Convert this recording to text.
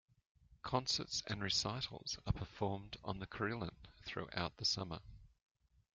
Concerts and recitals are performed on the carillon throughout the summer.